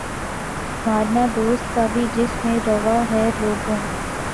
مارنا دوست کا بھی جس میں روا ہے لوگو